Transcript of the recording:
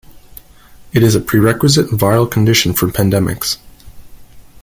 It is a prerequisite viral condition for pandemics.